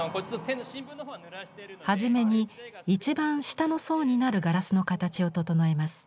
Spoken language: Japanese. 初めに一番下の層になるガラスの形を整えます。